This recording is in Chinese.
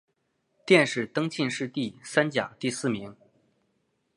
殿试登进士第三甲第四名。